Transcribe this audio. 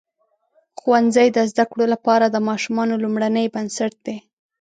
ښوونځی د زده کړو لپاره د ماشومانو لومړنۍ بنسټ دی.